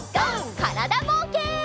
からだぼうけん。